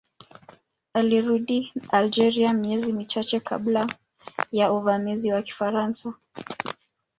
Alirudi Algeria miezi michache kabla ya uvamizi wa Kifaransa.